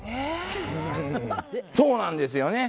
そうなんですよね。